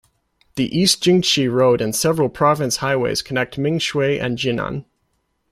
The East Jingshi Road and several Province Highways connect Mingshui and Jinan.